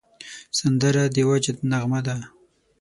سندره د وجد نغمه ده